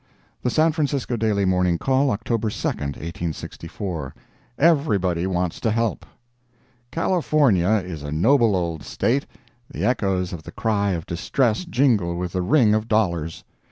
The San Francisco Daily Morning Call, October 2, 1864 EVERYBODY WANTS TO HELP California is a noble old State. The echoes of the cry of distress jingle with the ring of dollars.